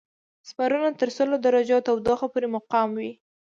سپورونه تر سلو درجو تودوخه پورې مقاوم وي.